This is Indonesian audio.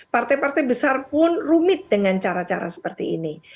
partai partai besar pun rumit dengan cara cara seperti ini